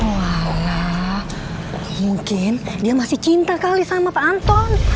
wah mungkin dia masih cinta kali sama pak anton